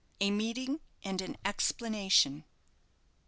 A MEETING AND AN EXPLANATION.